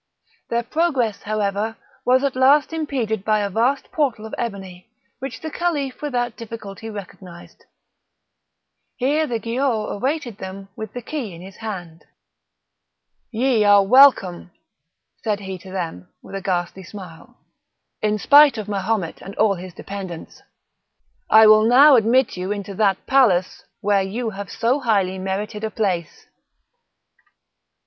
Their progress, however, was at length impeded by a vast portal of ebony, which the Caliph without difficulty recognised; here the Giaour awaited them with the key in his hand. "Ye are welcome," said he to them, with a ghastly smile, "in spite of Mahomet and all his dependants. I will now admit you into that palace where you have so highly merited a place."